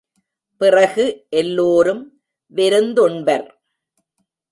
பிறகு எல்லோரும் விருந்துண்பர்.